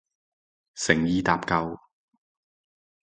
誠意搭救